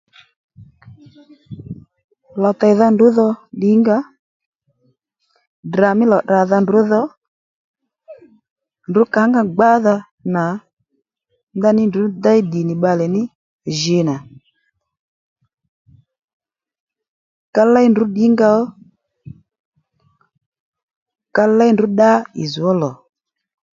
Lò tèydha ndrǔ dhò ddìnga ó Ddrà mí lò tdràdha ndr ǔdhò ndrǔ kǎnga gbádha nà ndeyní ndrǔ déy ddì nì bbalè ní jǐ nà ka léy ndrǔ ddìnga ó ka léy ndrǔ ddá ì zz ó lò